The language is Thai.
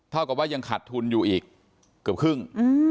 เท่ากับว่ายังขาดทุนอยู่อีกเกือบครึ่ง